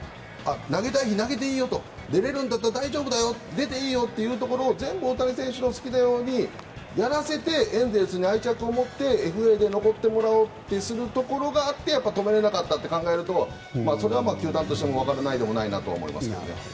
投げたい日に投げていいよと出れるんだったら大丈夫だよ出ていいよというところを全部大谷選手の好きなようにやらせてエンゼルスに愛着を持ってＦＡで残ってもらおうと思って止められなかったと考えるとそれは球団としてもわからないでもないなと思いますけど。